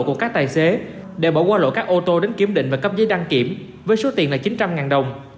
của các tài xế để bỏ qua lỗi các ô tô đến kiểm định và cấp giấy đăng kiểm với số tiền là chín trăm linh đồng